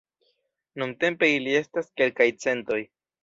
Nuntempe ili estas kelkaj centoj.